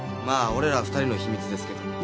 まあ俺ら２人の秘密ですけど。